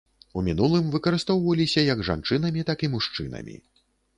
У мінулым выкарыстоўваліся як жанчынамі, так і мужчынамі.